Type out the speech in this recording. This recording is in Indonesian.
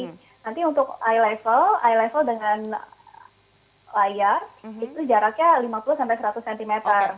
nanti untuk eye level ey level dengan layar itu jaraknya lima puluh sampai seratus cm